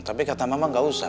tapi kata mama nggak usah